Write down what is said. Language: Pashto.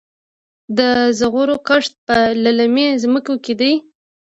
د زغرو کښت په للمي ځمکو کې دی.